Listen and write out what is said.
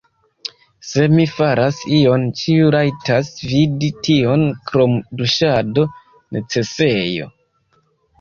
Se mi faras ion ĉiu rajtas vidi tion krom duŝado, necesejo